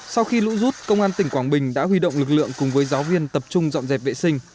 sau khi lũ rút công an tỉnh quảng bình đã huy động lực lượng cùng với giáo viên tập trung dọn dẹp vệ sinh